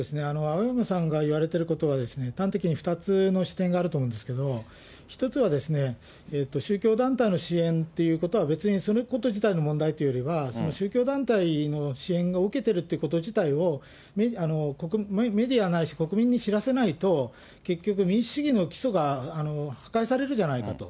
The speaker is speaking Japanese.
青山さんが言われていることは、端的に２つの視点があると思うんですけど、１つは、宗教団体の支援ということは、別にそのこと自体の問題というよりは、宗教団体の支援を受けているということ自体を、メディアないし国民に知らせないと、結局、民主主義の基礎が破壊されるじゃないかと。